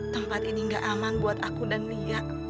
tempat ini gak aman buat aku dan nia